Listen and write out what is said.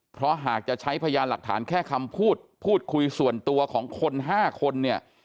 เพราะหากจะใช้พยานหลักฐานแค่คำพูดพูดคุยส่วนตัวของคน๕คนเนี่ย